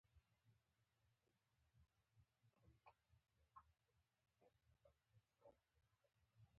د دوی رایې ټاکونکی او قاطع حد نشي رامنځته کولای.